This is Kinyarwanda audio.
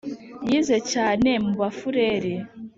Yize cyane mu Bafureri!